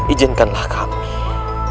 ijinkan lah kami